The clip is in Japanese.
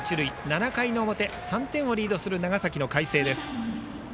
７回の表３点をリードする長崎の海星です。